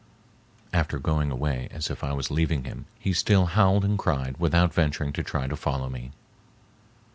After going away as if I was leaving him, he still howled and cried without venturing to try to follow me.